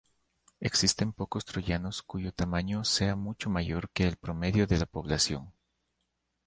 Existen pocos troyanos cuyo tamaño sea mucho mayor que el promedio de la población.